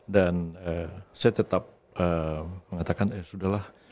dan saya tetap mengatakan ya sudah lah